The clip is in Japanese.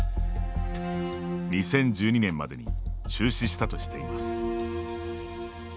２０１２年までに中止したとしています。